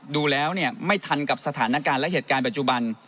ดูแล้วไม่ทันกับสถานการณ์และเหตุการณ์ปัจจุบัน